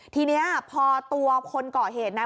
ทีนี้พอตัวคนเกาะเห็นนะ